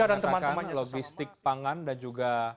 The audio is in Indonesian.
retno mengatakan logistik pangan dan juga